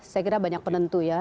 saya kira banyak penentu ya